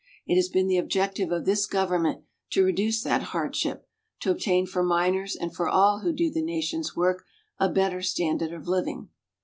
It has been the objective of this government to reduce that hardship, to obtain for miners and for all who do the nation's work a better standard of living.